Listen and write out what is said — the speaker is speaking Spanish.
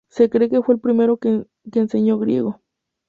Se cree que fue el primero que enseñó griego.